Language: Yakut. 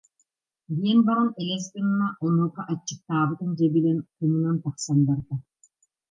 диэн баран элэс гынна, онуоха аччыктаабытын дьэ билэн, хомунан тахсан барда